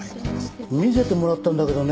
見せてもらったんだけどね